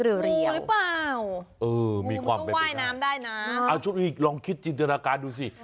หรือเปล่ามองต้องไหว้น้ำได้นะเออมีความเป็นอย่างอื่นอะ